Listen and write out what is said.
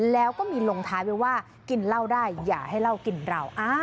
แล้วก็มีลงท้ายไว้ว่ากินเหล้าได้อย่าให้เหล้ากินเรา